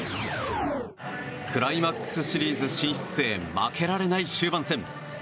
クライマックスシリーズ進出へ負けられない終盤戦。